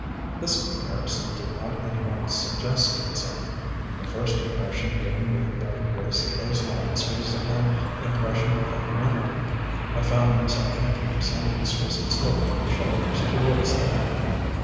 (This comparison did not at once suggest itself: The first impression given me by the grace of those lines was an impression of femininity; I found myself thinking of some exquisite sloping of shoulders towards the neck.)